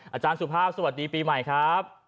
อาจารย์สุภาพสวัสดีปีใหม่ครับ